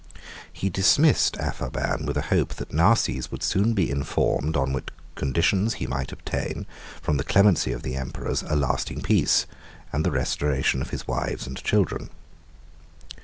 He dismissed Apharban with a hope that Narses would soon be informed on what conditions he might obtain, from the clemency of the emperors, a lasting peace, and the restoration of his wives and children.